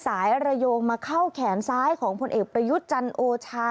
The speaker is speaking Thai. ระโยงมาเข้าแขนซ้ายของผลเอกประยุทธ์จันโอชา